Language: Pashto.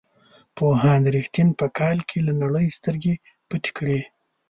پوهاند رښتین په کال کې له نړۍ سترګې پټې کړې.